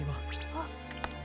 あっ。